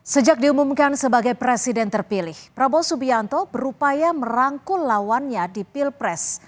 sejak diumumkan sebagai presiden terpilih prabowo subianto berupaya merangkul lawannya di pilpres